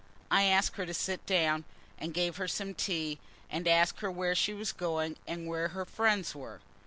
I asked her to sit down, and gave her some tea, and asked her where she was going, and where her friends were.